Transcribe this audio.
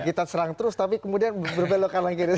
kita serang terus tapi kemudian berbelokan lagi dari